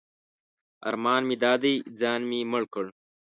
ارمان مې دا دی ځان مې مړ کړ.